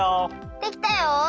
できたよ！